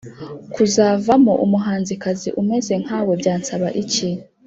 kuzavamo umuhanzikazi umeze nkawe byansaba iki.